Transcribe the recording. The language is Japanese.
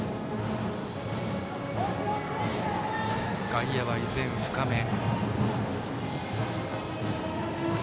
外野は依然深め。